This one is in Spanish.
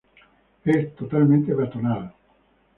Es totalmente peatonal.